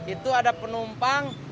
itu ada penumpang